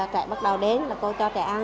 trẻ bắt đầu đến là cô cho trẻ ăn